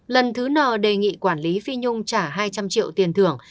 lần thứ n đề nghị quản lý phi nhung trả hai trăm linh triệu tiền thưởng